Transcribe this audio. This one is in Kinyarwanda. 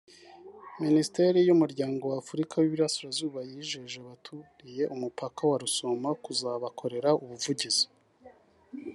Minisiteri y’Umuryango w’Afurika y’Iburasirazuba yijeje abaturiye umupaka wa Rusumo kuzabakorera ubuvugizi